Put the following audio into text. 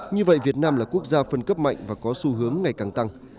như vậy việt nam là quốc gia phân cấp mạnh và có xu hướng ngày càng tăng